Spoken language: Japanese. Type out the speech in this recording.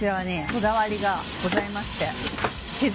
こだわりがございまして。